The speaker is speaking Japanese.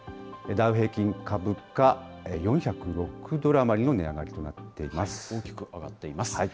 ダウ平均株価、４０６ドル余りの値上がりとなっています。